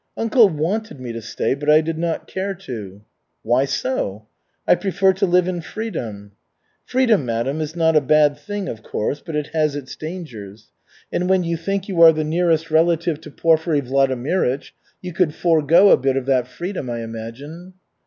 "Uncle wanted me to stay, but I did not care to." "Why so?" "I prefer to live in freedom." "Freedom, madam, is not a bad thing, of course, but it has its dangers. And when you think you are the nearest relative to Porfiry Vladimirych, you could forego a bit of that freedom, I imagine."